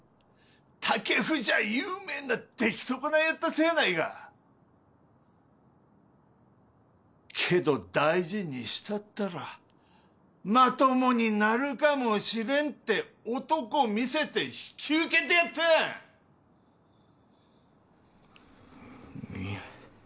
武生じゃ有名な出来損ないやったそやないか・けど大事にしたったらまともになるかもしれんて男見せて引き受けてやってい